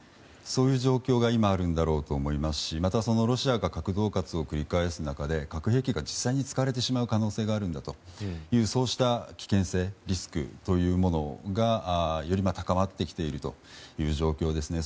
そういう状況が今、あるんだろうと思いますしまたそのロシアが核恫喝を繰り返す中で核兵器が実際に使われてしまう可能性があるんだというそうした危険性リスクというものがより高まってきているという状況ですね。